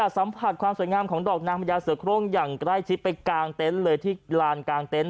สัมผัสความสวยงามของของดอกนามราศาสตรงยังใกล้คิดไปกางเต็นท์เลยที่ลานกางเต็นท์